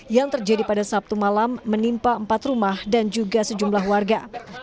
yang terjadi pada sabtu malam menimpa empat rumah dan juga sejumlah warga